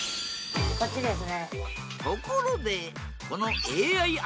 こっちですね。